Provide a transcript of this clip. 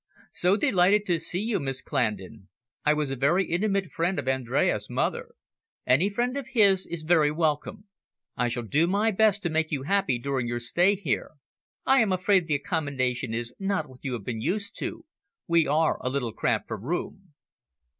"So delighted to see you, Miss Clandon. I was a very intimate friend of Andres' mother. Any friend of his is very welcome. I shall do my best to make you happy during your stay here. I am afraid the accommodation is not what you have been used to. We are a little cramped for room."